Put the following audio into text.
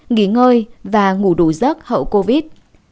hai nghỉ ngơi và ngủ đủ giấc hậu covid